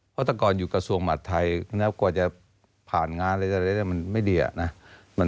เพราะตั้งก่อนอยู่กระทรวงหมัดไทยกว่าจะผ่านงานอะไรมันไม่ดีอะนะ